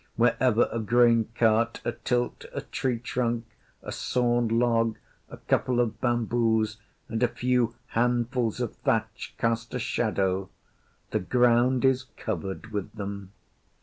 Wherever a grain cart atilt, a tree trunk, a sawn log, a couple of bamboos and a few handfuls of thatch cast a shadow, the ground is covered with them.